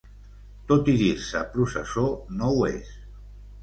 Tot i dir-se ‘processó’, no ho és.